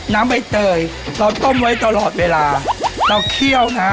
ใบเตยเราต้มไว้ตลอดเวลาเราเคี่ยวนะฮะ